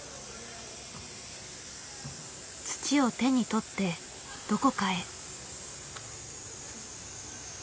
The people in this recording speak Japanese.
土を手に取ってどこかへ。